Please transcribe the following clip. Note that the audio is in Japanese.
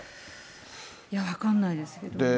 いや、分かんないですけど。